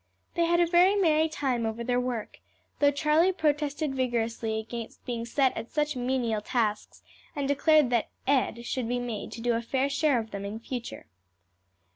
They had a very merry time over their work, though Charlie protested vigorously against being set at such menial tasks, and declared that "Ed" should be made to do a fair share of them in future.